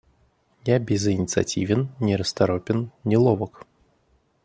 Я безынициативен, нерасторопен, неловок.